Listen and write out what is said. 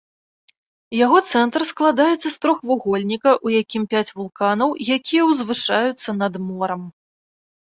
Яго цэнтр складаецца з трохвугольніка, у якім пяць вулканаў, якія ўзвышаюцца над морам.